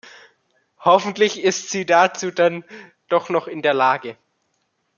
Hoffentlich ist sie dazu dann doch noch in der Lage.